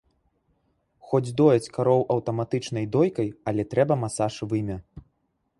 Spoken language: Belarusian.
Хоць дояць кароў аўтаматычнай дойкай, але трэба масаж вымя.